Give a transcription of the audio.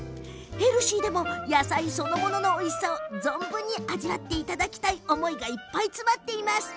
ヘルシーでも野菜そのもののおいしさを存分に味わっていただきたい思いが詰まっています。